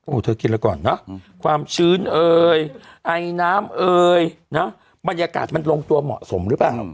เธอกินแล้วก่อนเนอะความชื้นเอ่ยไอน้ำเอ่ยนะบรรยากาศมันลงตัวเหมาะสมหรือเปล่า